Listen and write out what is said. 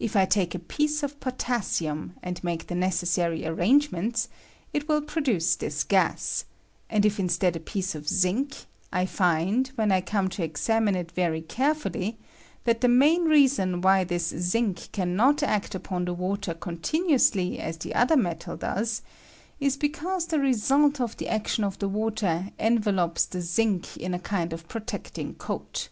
If I take a piece of potassium, and mako the necessary arrangements, it will produce this gas ; and if instead a piece of zinc, I find, when I come to examine it very care fully, that the main reason why this zinc can not act upon the water continuously as the other metal does is because the result of the action of the water envelops the zinc in a kind of protecting coat.